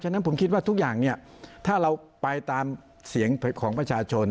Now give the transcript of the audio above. ฉะนั้นผมคิดว่าทุกอย่างเนี่ยถ้าเราไปตามเสียงของประชาชน